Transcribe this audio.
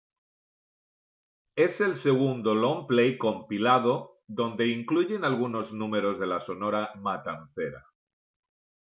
Es el segundo long play compilado donde incluyen algunos números de la Sonora Matancera.